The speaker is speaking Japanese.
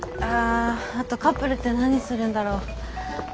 ああとカップルって何するんだろう？